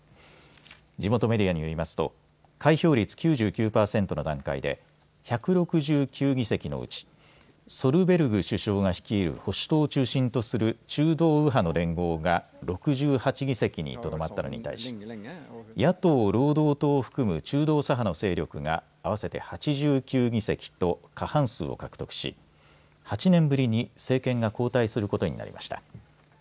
地元メディアによりますと開票率９９％の段階で１６９議席のうちソルベルグ首相が率いる保守党を中心とする中道右派の連合が６８議席にとどまったのに対し、野党労働党を含む中道左派の勢力が合わせて８９議席と過半数を獲得し８年ぶりに政権が交代することになりました。